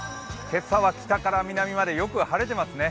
今朝は北から南までよく晴れていますね。